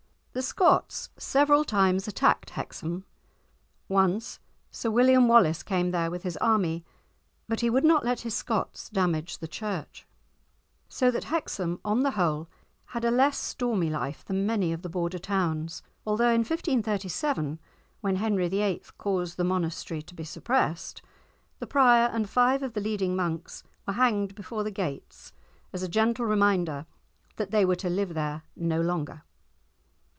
The Scots several times attacked Hexham. Once Sir William Wallace came there with his army, but he would not let his Scots damage the church, so that Hexham, on the whole, had a less stormy life than many of the Border towns, although in 1537, when Henry VIII. caused the monastery to be suppressed, the prior and five of the leading monks were hanged before the gates as a gentle reminder that they were to live there no longer.